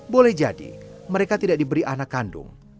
boleh jadi mereka tidak diberi anak kandung